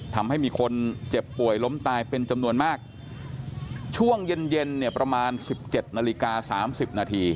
ทำให้มีคนเจ็บป่วยล้มตายเป็นจำนวนมากช่วงเย็นเนี่ยประมาณ๑๗นาฬิกา๓๐นาที